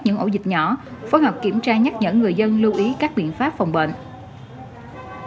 những ổ dịch nhỏ phối hợp kiểm tra nhắc nhở người dân lưu ý các biện pháp phòng bệnh